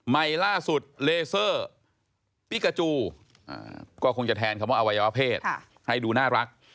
ล่าสุดเลเซอร์ติกาจูก็คงจะแทนคำว่าอวัยวะเพศให้ดูน่ารัก